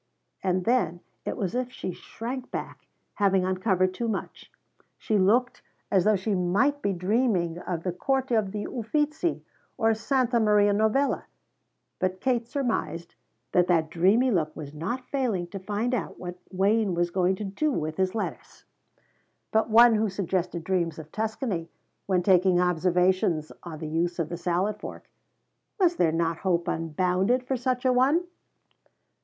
And then it was as if she shrank back, having uncovered too much. She looked as though she might be dreaming of the Court of the Uffizi, or Santa Maria Novella, but Katie surmised that that dreamy look was not failing to find out what Wayne was going to do with his lettuce. But one who suggested dreams of Tuscany when taking observations on the use of the salad fork was there not hope unbounded for such a one?